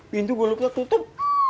pintu gue lupa tutup